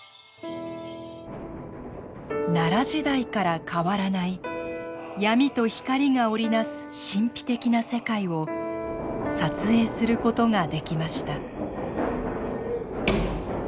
奈良時代から変わらない闇と光が織り成す神秘的な世界を撮影することができました。